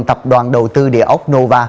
tập đoàn đầu tư địa ốc nova